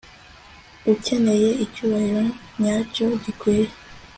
ukeneye icyubahiro nyacyo gikwiye